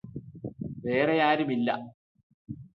വേറെയാരുമില്ലാ